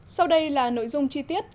sau đây là nội dung chi tiết